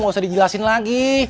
gak usah dijelasin lagi